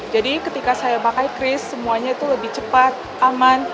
jadi ketika saya pakai kiris semuanya itu lebih cepat aman